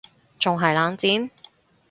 仲係冷戰????？